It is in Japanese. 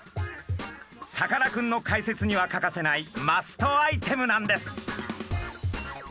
さかなクンの解説には欠かせないマストアイテムなんです。